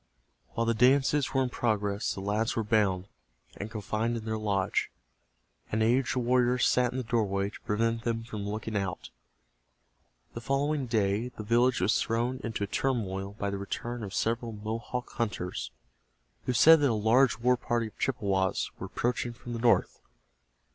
While the dances were in progress the lads were bound, and confined in their lodge. An aged warrior sat in the doorway to prevent them from looking out. The following day the village was thrown into a turmoil by the return of several Mohawk hunters who said that a large war party of Chippewas were approaching from the north.